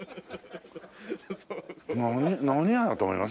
何屋だと思います？